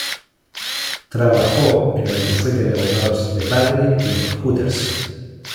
Trabajó en el bufete de abogados de padre y en Hooters.